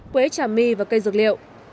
quế trà mi và cây dược liệu